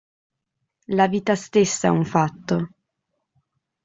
La vita stessa è un fatto!